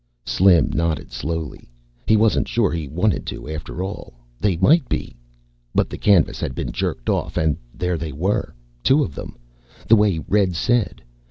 Slim nodded slowly. He wasn't sure he wanted to, after all. They might be But the canvas had been jerked off and there they were. Two of them, the way Red said.